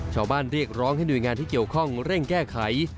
เรียกร้องให้หน่วยงานที่เกี่ยวข้องเร่งแก้ไข